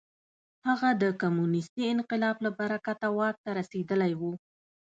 هغه د کمونېستي انقلاب له برکته واک ته رسېدلی و.